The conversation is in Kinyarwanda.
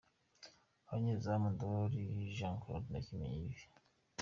Abanyezamu: Ndoli Jean Claude na Kimenyi Yves.